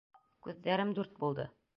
Күҙҙәрем дүрт булды...